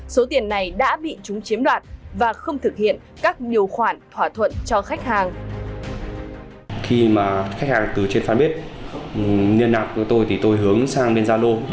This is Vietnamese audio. số tiền này đã bị chúng chiếm đoạt và không thực hiện các điều khoản thỏa thuận cho khách hàng